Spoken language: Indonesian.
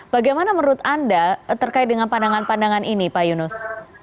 bagaimana menurut anda terkait dengan pandangan pandangan ini pak yunus